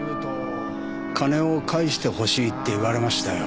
金を返してほしいって言われましたよ。